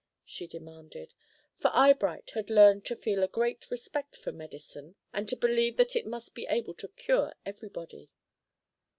she demanded; for Eyebright had learned to feel a great respect for medicine, and to believe that it must be able to cure everybody.